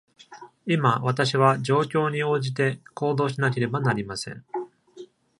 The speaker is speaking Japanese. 今、私は状況に応じて行動しなければなりません。